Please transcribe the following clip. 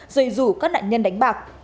rồi rủ các nạn nhân đánh bạc